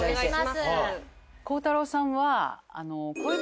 孝太郎さんは。